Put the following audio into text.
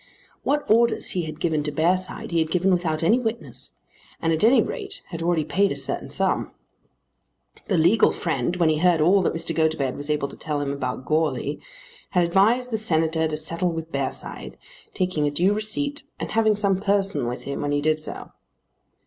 What orders he had given to Bearside he had given without any witness, and at any rate had already paid a certain sum. The legal friend, when he heard all that Mr. Gotobed was able to tell him about Goarly, had advised the Senator to settle with Bearside, taking a due receipt and having some person with him when he did so.